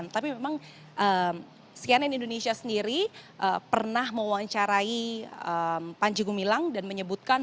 tapi memang cnn indonesia sendiri pernah mewawancarai panji gumilang dan menyebutkan